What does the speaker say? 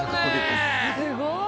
すごい！